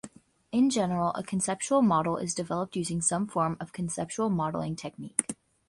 In general, a conceptual model is developed using some form of conceptual modeling technique.